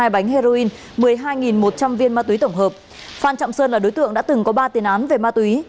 hai mươi bánh heroin một mươi hai một trăm linh viên ma túy tổng hợp phan trọng sơn là đối tượng đã từng có ba tiền án về ma túy